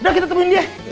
udah kita temuin dia